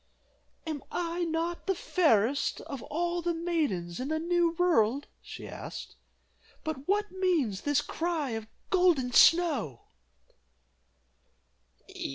"Am I not the fairest of all the maidens in the new world?" she asked, "but what means this cry of 'Golden Snow?